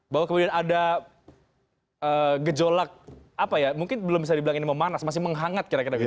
bahwa kemudian ada gejolak apa ya mungkin belum bisa dibilang ini memanas masih menghangat kira kira gitu